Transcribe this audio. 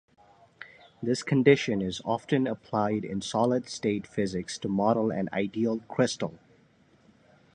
This condition is often applied in solid state physics to model an ideal crystal.